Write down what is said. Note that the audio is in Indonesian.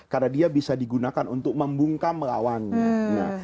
karena dia bisa digunakan untuk membungkam lawannya